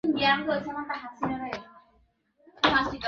সকল দেশের পুরাণে ইহাও পাওয়া যায় যে, দেবগণ সুন্দরী মানব-দুহিতাদের ভালবাসেন।